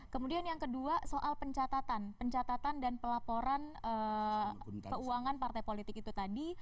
kemudian yang kedua soal pencatatan pencatatan dan pelaporan keuangan partai politik itu tadi